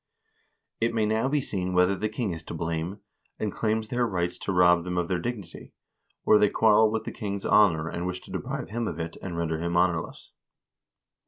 " It may now be seen whether the king is to blame, and claims their rights to rob them of their dignity, or they quarrel with the king's honor, and wish to deprive him of it and render him honorless.